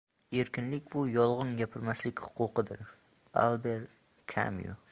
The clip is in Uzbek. Erkinlik, bu — yolg‘on gapirmaslik huquqidir. Alber Kamyu